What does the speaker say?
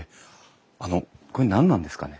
あのこれ何なんですかね？